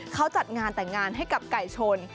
เขาจัดงานแต่งงานให้กับไก่ชน